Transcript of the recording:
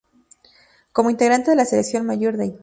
Como integrante de la Selección Mayor de Haití.